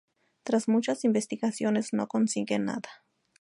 Tras muchas investigaciones no consiguen nada.